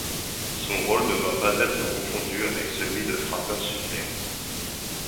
Son rôle ne doit pas être confondu avec celui de frappeur suppléant.